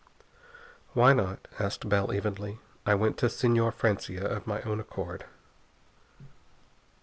"Why not?" asked Bell evenly. "I went to Señor Francia of my own accord."